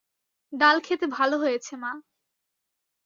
ডাল খেতে ভাল হয়েছে মা।